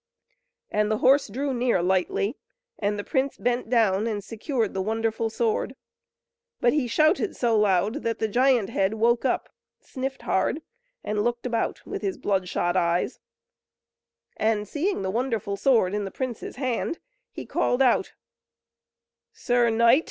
And the horse drew near lightly, and the prince bent down, and secured the wonderful sword; but he shouted so loud that the Giant Head woke up, sniffed hard, and looked about with his bloodshot eyes; and seeing the wonderful sword in the prince's hand, he called out: "Sir knight!